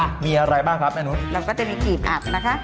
มีอะไรบ้างครับแม่นุษย์เราก็จะมีกรีบอับนะคะ